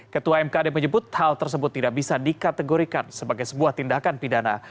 ketua mkd menyebut hal tersebut tidak bisa dikategorikan sebagai sebuah tindakan pidana